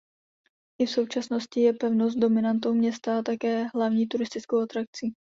I v současnosti je pevnost dominantou města a také hlavní turistickou atrakcí.